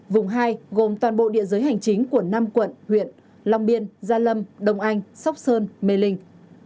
vùng hai gồm toàn bộ địa giới hành chính của năm quận huyện long biên gia lâm đông anh sóc sơn mê linh